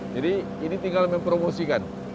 jadi ini tinggal mempromosikan